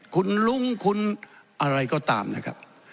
คุณลุงคุณอะไรก็ตามนะครับ